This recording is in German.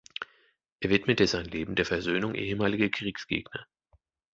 Er widmete sein Leben der Versöhnung ehemaliger Kriegsgegner.